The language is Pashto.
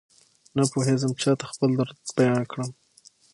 نپوهېږم چاته خپل درد بيان کړم.